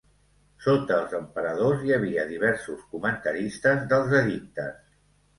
Sota els emperadors hi havia diversos comentaristes dels edictes.